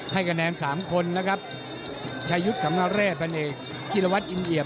ให้แก่แนนสามคนนะครับชายุทธ์ขำนาวเรศพันเอกจิลวัฒน์อินเหยียบ